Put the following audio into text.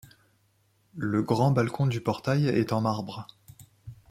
Le grand balcon du portail est en marbre.